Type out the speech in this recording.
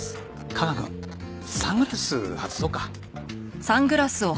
架川くんサングラス外そうか。